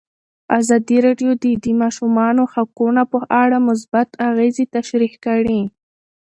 ازادي راډیو د د ماشومانو حقونه په اړه مثبت اغېزې تشریح کړي.